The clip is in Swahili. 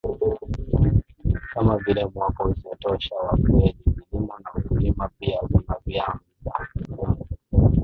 kama vile mwako usiotosha wa fueli kilimo na ukulima Pia kuna vyanzo